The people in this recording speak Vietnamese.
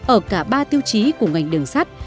ở cả ba tiêu chí của ngành đường sắt